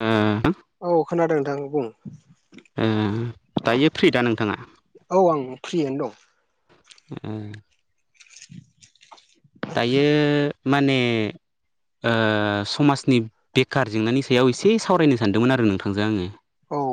उम औ खोनादों नोंथां बुं उम दायो फ्रि दा नोंथाङा फ्रियानो दं उम दायो माने ओ समाजनि बेखार जेंनानि सायाव एसे सावरायनो सानदोंमोन आरो नोंथांजो आङो औ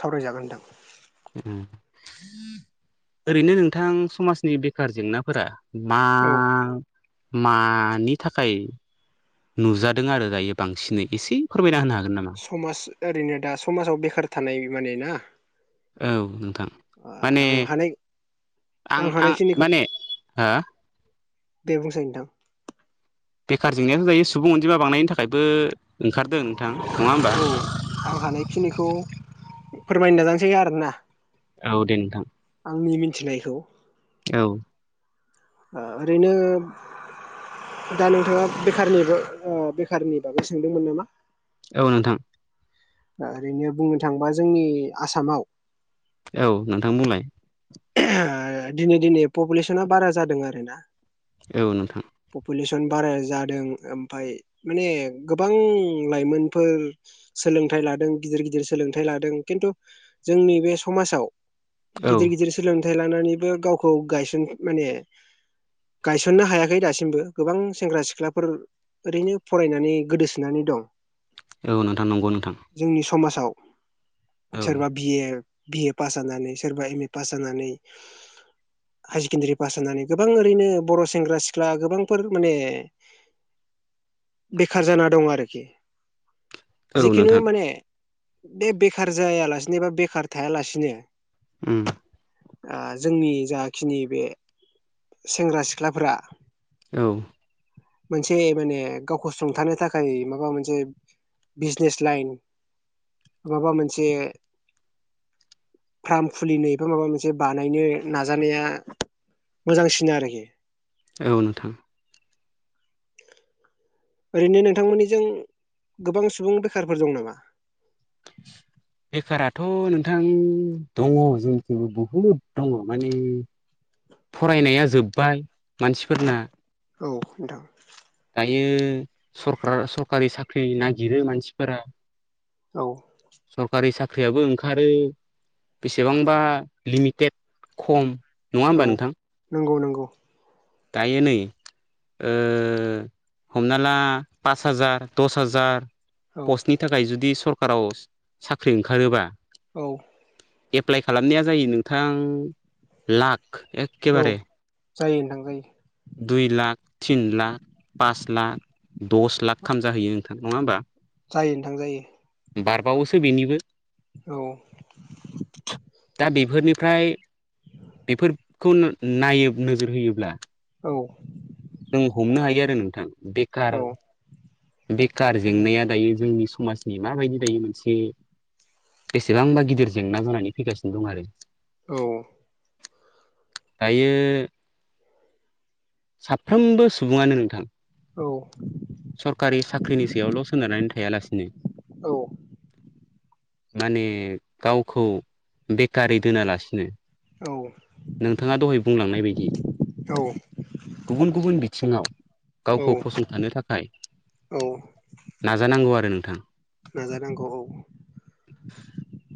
सावरायजागोन नोंथां उम ओरैनो नोंथां समाजनि बेखार जेंनाफोरा औ मा-मानि थाखाय नुजादों आरो दायो बांसिनै एसे फोरमायना होनो हागोन नामा समाज ओरैनो दा समाजाव बेखार थानाय माने ना औ नों थां माने आं हानाय आं आं माने हो दे बुंसाय नोंथां बेखार जेंनायाथ' दायो सुबुं अनजिमा बांनायनि थाखायबो ओंखारदों नोंथां नङा होमबा औ आं हानायखिनिखौ फोरमायनो नाजानसै आरोना औ दे नोंथां आंनि मिनथिनायखौ औ ओ ओरैनो दा नोंथाङा बेखारनिबो ओ बेखारनि बागै सोंदोंमोन नामा औ नोंथां ओ ओरैनो बुंनो थाङोबा जोंनि आसामाव औ नोंथां बुंलाय ओ दिने दिनै पपुलेसना बारा जादों आरो ना औ नोंथां पपुलेसन बारा जादों ओमफाय माने गोबां लाइमोनफोर सोलोंथाइ लादों गिदिर गिदिर सोलोंथाइ लादों खिन्थु जोंनि बे समाजाव औ गिदिर गिदिर सोलोंथाइ लानानैबो गावखौ गायसन माने गायसननो हायाखै दासिमबो गोबां सेंग्रा सिख्लाफोर ओरैनो फरायनानै गोदोसोनानै दं औ नोंथां नंगौ नोंथां जोंनि समाजाव औ सोरबा बि ए बि ए पास जानानै सोरबा एम ए पास जानानै हायार सेकेण्डारि पास जानानै गोबां ओरैनो बर' सेंग्रा सिख्ला गोबांफोर माने बेखार जाना दं आरोखि औ जिखुनु नोंथां माने बे बेखार जायालासिनो बा बेखार थायालासिनो उम जोंनि जाखिनि बे सेंग्रा सिख्लाफोरा औ मोनसे माने गावखौ सुंथानो थाखाय माबा मोनसे बिजनेस लाइन माबा मोनसे फार्म खुलिनो एबा माबा मोनसे बानायनो नाजानाया मोजांसिन आरोखि औ नोंथां ओरैनो नोंथांमोननिजों गोबां सुबुं बेखारफोर दं नामा बेखाराथ' नोंथां दङ जोंनिखिबो बुहुद दङ माने फरायनाया जोब्बाय मानसिफोरना औ नोंथां हायो सरकार सरकारि साख्रि नागिरो मानसिफोरा औ सरकारि सा ख्रियाबो ओंखारो बेसेबांबा लिमिटेद खम नङा होमबा औ नोंथां नंगौ नंगौ दायो नै ओ हमना ला पास हाजार दस हाजार औ पस्टनि थाखाय जुदि सरकाराव साख्रि ओंखारोबा औ एप्लाइ खालामनाया जायो नोंथां लाख औ एखेबारे जायो नोंथां जायो। दुइ लाख तिन लाख पास लाख दस लाख खाम जाहैयो नोंथां नंङा होमबा जायो नोंथां जायो बारबावोसो बेनिबो औ दा बेफोरनिफ्राय बेफोरखौ नायो नोजोर होयोब्ला औ जों हमनो हायो आरो नोंथां बेखार औ बेखार जेंनाया दायो जोंनि समाजनि माबायदि दायो मोनसे बेसेबांबा गिदिर जेंना जानानै फैगासिनो दं आरो औ दायो साफ्रोमबो सुबुङानो नोंथां औ सरकारि साख्रिनि सायावल' सोनारनानै थायालासिनो माने गावखौ बेकारि दोनालासिनो औ नोंथांङा दहाय बुंलांनाय बायदि गुबुन गुबुन बिथिङाव औ गावखौ फसंथानो था खाय औ नाजानांगौ आरो नोंथां नाजानांगौ औ [inaudible]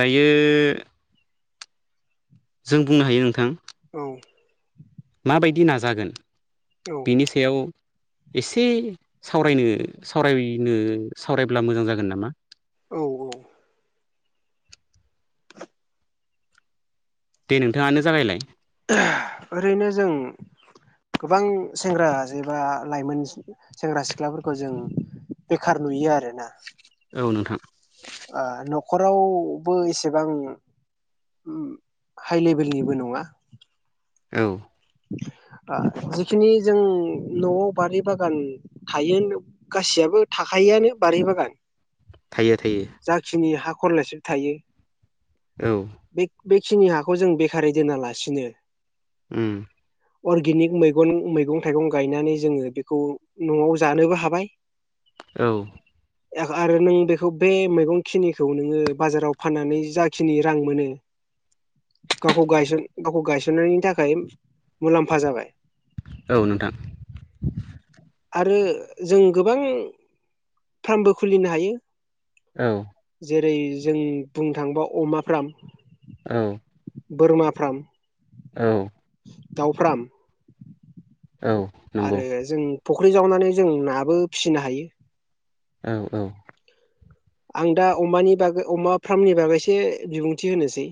दायो जों बुंनो हायो नोंथां औ माबायदि नाजागोन औ बिनि सायाव एसे सावरायनो सावरायनो सावरायब्ला मोजां जागोन नामा? औ औ। दे नोंथाङानो जागायलाय। ओरैनो जों गोबां सेंग्रा एबा लाइमोन सेंग्रा-सिख्लाफोरखौ जों बेखार नुयो आरोना। औ नोंथां। आ न'खरावबो एसेबां हाइ लेभेलनिबो नङा। औ। [inaudible] आ-जिखिनि जों न'आव बारि बागान थायो गासियाबो थाखायो। बिआनि बारि बागान थायो थायो जाखिनि हा खरलेबसे थायो औ। बे बेखिनि हाखौ जों बेखारै दोनालासिनो उम। अर्गेनिक मैगन-मैगं-थाइगं गायनानै जोङो बेखौ न'आव जानोबो हाबाय। औ। आरो नों बेखौ बे मैगं खिनिखौ नोङो बाजाराव फाननानै जाखिनि रां मोनो गावखौ गायस-गावखौ गायसननायनि थाखाय मुलाम्फा जाबाय। औ, नोंथां। आरो जों गोबां फार्मबो खुलिनो हायो। औ। जेरै जों बुंनो थाङोबा अमा फ्राम। औ। बोरमा फ्राम। औ। दाउ फ्राम। औ नंगौ आरो जों फुख्रि जावनानै जों नाबो फिसिनो हायो। औ औ। आं दा अमानि बागै अमा फ्रामनि बागैसो बिबुंथि होनोसै।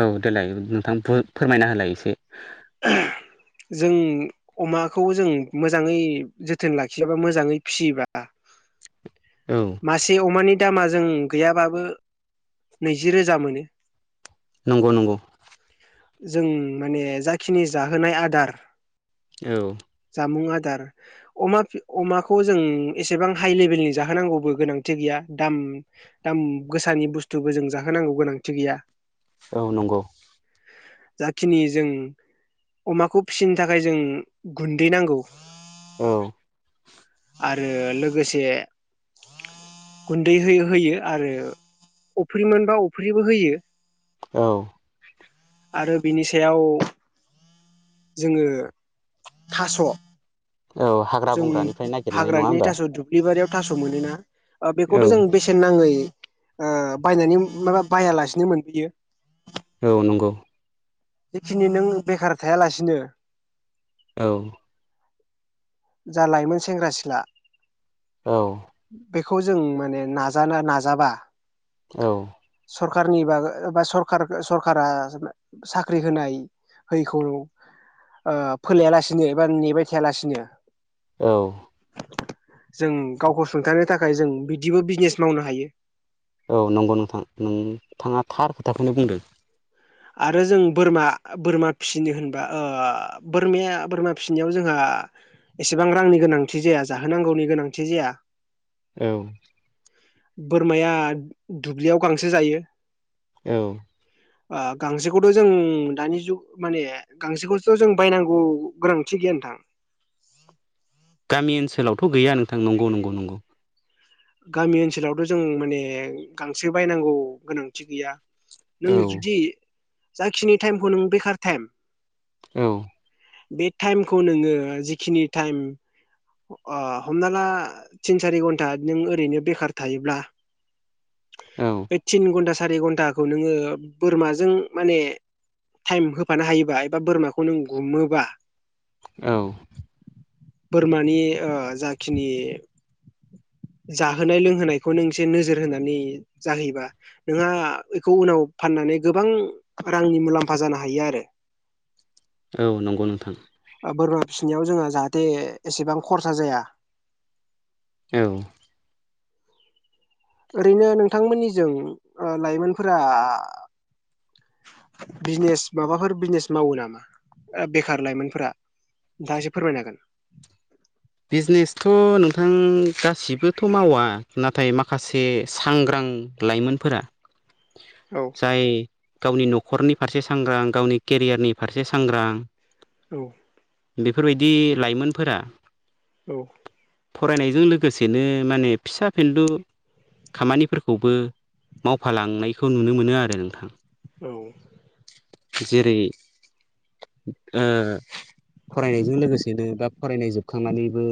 औ देलाय नोंथां। फोरमायना होलाय एसे। [unintelligible] जों अमाखौ जों मोजाङै जोथोन लाखियाबा मोजाङै फियोबा औ मासे अमानि दामा जों गैयाबाबो नैजि रोजा मोनो। नंगौ नंगौ। जों माने जाखिनि जाहोनाय आदार औ। जामुं आदार अमा-अमाखौ जों एसेबां हाइ लेभेलनि जाहोनांगौबो गोनांथि गैया। दाम दाम गोसानि बुस्थुबो जों जाहोनांगौ गोनांथि गैया। औ नंगौ। जाखिनि जों अमाखौ फिसिनो थाखाय जों गुन्दै नांगौ औ। आरो लोगोसे गुन्दै हो- होयो आरो अफ्रि मोनबा अफ्रिबो होयो। औ। आरो बिनि सायाव जोङो थास' औ हाग्रा जों बंग्रानिफ्राय नागिरनानै नङा हाग्रानि होमबा थास' दुब्लि बारियाव थास' मोनोना ओ औ बेखौथ' जों बेसेन नाङै ओ बायनानै माबा बायालासिनो मोनबोयो। औ नंगौ। जेखिनि नों बेखार थायालासिनो औ जा लाइमोन सेंग्रा-सिख्ला औ बेखौ जों माने नाजानो नाजाबा औ सरखारनि बागै सरकाय सरकारा जोंनो साख्रि होनाय हैयैखौ ओ फोलाया लासिनो एबा नेबाय थायालासिनो औ जों गावखौ सुंथानो थाखाय जों बिदिबो बिजनेस मावनो हायो। औ नंगौ नोंथां नोंथाङा थार खोथाखौनो बुंदों। आरो जों बोरमा बोरमा फिसिनो होनबा ओ बोरमाया बोरमा फिनायाव जोंहा आ एसेबां रांनि गोनांथि जाया जाहोनांगौनि गोनांथि जाया। औ बोरमाया दुब्लियाव गांसो जायो। औ आ गांसोखौथ' जों दानि जुग माने गांसोखौसोथ' जों बायनांगौ गोनांथि गैया नोंथां। [inaudible] गामि ओनसोलावथ' गैया नोंथां नंगौ नंगौ नंगौ। गामि ओनसोलावथ' जों माने गांसो बायनांगौ गोनांथि गैया। औ नों जुदि जाखिनि टाइमखौ नों बेखार टाइम औ बे टाइमखौ नोङो जिखिनि टाइम ओ हमना ला थिन सारि घन्टा नों ओरैनो बेकार थायोब्ला औ थिन घन्टा सारि घन्टाखौ नोङो बोरमाजों माने टाइम होफानो हायोबा एबा बोरमाखौ नों गुमोबा औ बोरमानि ओ जाखिनि जाहोनाय लोंहोनायखौ नों एसे नोजोर होनानै जाहोयोबा। नोंहा बेखौ उनाव फाननानै गोबां रांनि मुलाम्फा जानो हायो आरो। औ नंगौ नोंथां। बोरमा फिसिनायाव जोंहा जाहाथे एसेबां खरसा जाया। औ ओरैनो नोंथांमोननिजों ओ लाइमोनफोरा बिजनेस माबाफोर बिजनेस मावो नामा? ओ बेखार लाइमोनफोरा नोंथांआ एसे फोरमायनो हागोन? बिजनेसथ' नोंथां गासिबोथ' मावा नाथाय माखासे सांग्रां लाइमोनफोरा [inaudible] जाय गावनि न' खरनि फारसे सांग्रां गावनि केरियारनि फारसे सांग्रां औ बेफोरबायदि लाइमोनफोरा औ। फरायनायजों लोगोसेनो माने फिसा फेन्लु खामानिफोरखौबो मावफालांनायखौ नुनो मोनो आरो नोंथां। औ। जेरै ओ फरायनायजों लोगोसेनो बा फरायनाय जोब- खांनानैबो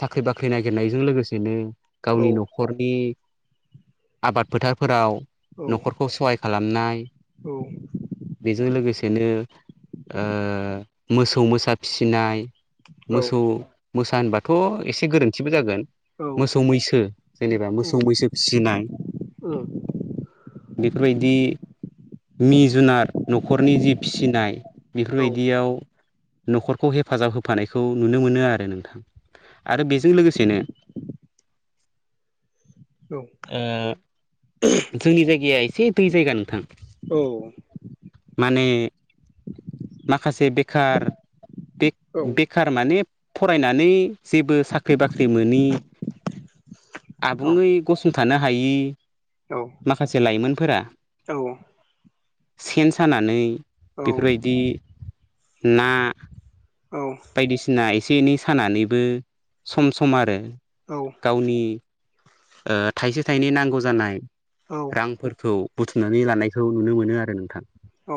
साख्रि बाख्रि नागिरनायजों लोगोसेनो औ गावनि न'खरनि आबाद फोथारफोराव। औ न'खरखौ सहाय खालामनाय औ उम औ बेजों लोगोसे सेनो ओ मोसौ मोसा फिसिनाय। मोसौ मोसा होनबाथ' एसे गोरोन्थिबो जागोन। मोसौ मैसो जेनेबा मोसौ मैसो फिसोनाय। बेफोर बायदि। मि जुनार न'खरनि जि फिसिनाय बेफोरबायदि याव न'खरखौ हेफाजाब होफानाय खौ नुनो मोनो आरो नोंथां। आरो बेजों लोगोसेनो। [unintelligible] ओ जोंनि जायगाया एसे दै जायगा नोंथां। औ। माने। माखासे बेखार बे बेखार माने फरायनानै जेबो साख्रि बाख्रि मोनोनि आबुङै गसं थानो हायै माखासे लाइमोनफोरा औ सेन सानानै औ बेफोरबायदि ना। बायदिसिना एसे एनै सानानैबो सम सम आरो औ। गावनि ओ थाइसे थाइनै नांगौ जानाय औ रांफोरखौ बुथुमनानै लानायखौ नुनो मोनो आरो नोंथां। औ।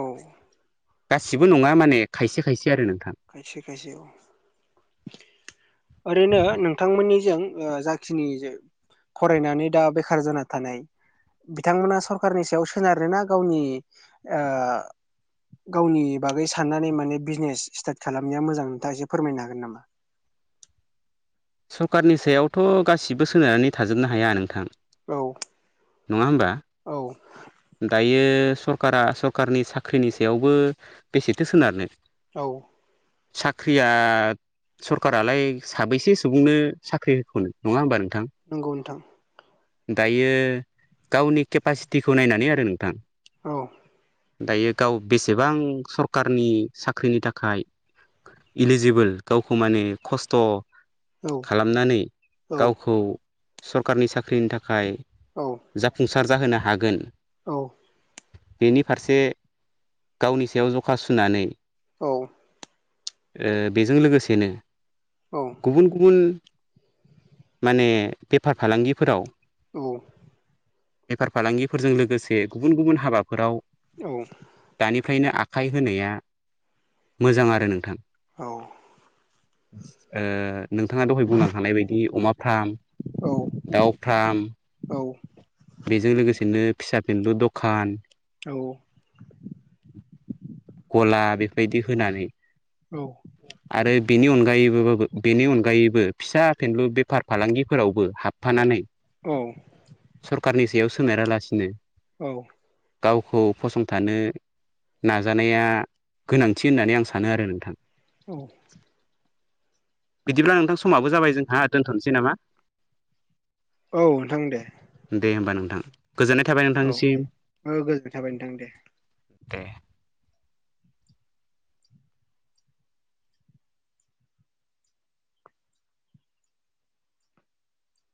गासिबो नङा माने खायसे खायसे आरो नोंथां खायसे खायसे औ। ओरैनो नोंथांमोननि जों ओ जाखिनि जों फरायनानै दा बेखार जाना थानाय बिथांमोना सरखारारनि सायाव सोनारोना गावनि ओ गावनि बागै साननानै माने बिजनेस स्टार्ट खालामनाया मोजां नोंथाङा एसे फोरमायनो हागोन नामा? सरकारनि सायावथ' गासिबो सोनारनानै थाजोबनो हाया नोंथां। औ नङा होमबा। दायो सरकारा सरकारनि साख्रिनि सायावबो बेसेथो सोनारनो। औ। साख्रिया सरखारालाय साबैसे सुबुंनो साख्रि होखनो नङा होनोमबा नों नंगौ नोंथां। दायो गावनि केपासिटिखौ नायनानै आरो नोंथां। औ। दायो गाव बेसेबां सरकारनि साख्रिनि थाखाय। इलिजिबोल गावखौ माने खस्थ' औ खालामनानै औ गावखौ सरकारनि साख्रिनि थाखाय। जाफुंसार जाहोनो हागोन। औ। बेनि फारसे गावनि सायाव जखा सुनानै औ। बेजों लोगोसेनो औ। गुबुन गुबुन माने बेफार फालांगिफोराव औ। बेफार फालांगिफोरजों लोगोसे गुबुन गुबुन हाबाफोराव औ दानिफ्रायनो आखा आखाइ होनाया मोजां आरो नोंथां ओ, नोंथाङा दहाय बुंलांखानाय बायदि अमा फाम औ दाउ फार्म औ बेजों लोगोसेनो फिसा फिन्लु दखान गला बेबायदि होनानै औ, आरो बेनि अनगायैबोबाबो बेनि अनगायैबो फिसा फेनलु बेफार फालांगिफोरावबो हाबफानानै औ सरखारनि सायाव सोनायारालासिनो औ, गावखौ फसंथानो नाजानाया गोनांथि होननानै आं सानो आरो नोंथां। औ, बिदिब्ला नोंथां समाबो जाबाय जोंहा दोनथ'नोसै नामा? औ, दे होमबा नोंथां। गोजोननाय थाबाय औ नोंथांनिसिम दे गोजोननाय थाबाय नोंथां दे। दे।